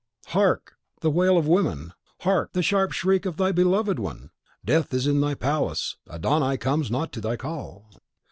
Hark, the wail of women! hark, the sharp shriek of thy beloved one! Death is in thy palace! Adon Ai comes not to thy call.